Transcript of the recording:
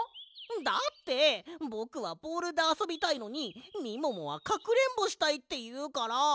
だってぼくはボールであそびたいのにみももはかくれんぼしたいっていうから！